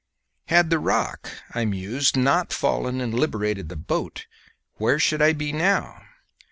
Had the rock, I mused, not fallen and liberated the boat, where should I be now?